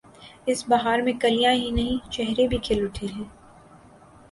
اس بہار میں کلیاں ہی نہیں، چہرے بھی کھل اٹھے ہیں۔